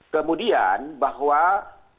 kemudian bahwa ekonomi